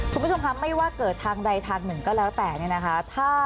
คุณผู้ชมครับไม่ว่าเกิดทางใดทางหนึ่งก็แล้วแต่เนี่ยนะคะ